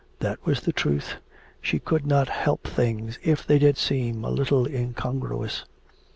That was the truth, she could not help things if they did seem a little incongruous.